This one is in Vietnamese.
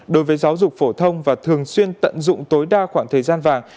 đối với giáo dục phổ thông và thường xuyên tận dụng tối đa khoảng thời gian vàng